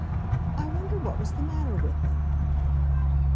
I wonder what was the matter with them?